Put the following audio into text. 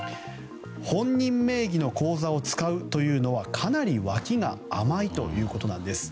本人名義の口座を使うというのはかなり脇が甘いということです。